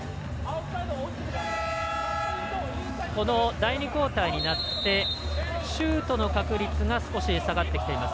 第２クオーターになってシュートの確率が少し下がってきています。